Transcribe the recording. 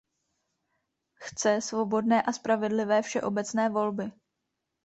Chce svobodné a spravedlivé všeobecné volby.